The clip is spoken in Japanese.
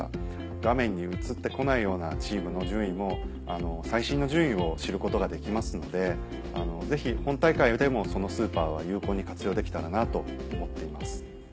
画面に映って来ないようなチームの順位も最新の順位を知ることができますのでぜひ本大会でもそのスーパーは有効に活用できたらなと思っています。